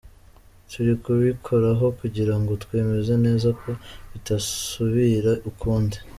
Turi kubikoraho kugira ngo twemeze neza ko bitazasubira ukundi.